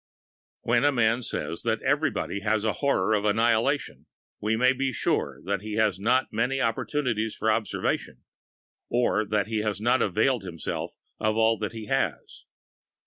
When a man says that everybody has "a horror of annihilation," we may be very sure that he has not many opportunities for observation, or that he has not availed himself of all that he has.